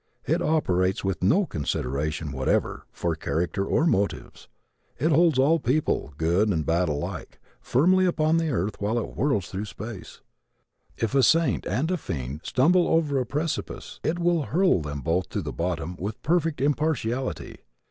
It operates with no consideration whatever for character or motives. It holds all people, good and bad alike, firmly upon the earth while it whirls through space. If a saint and a fiend stumble over a precipice, it will hurl them both to the bottom with perfect impartiality.